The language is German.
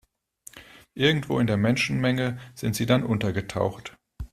Irgendwo in der Menschenmenge sind sie dann untergetaucht.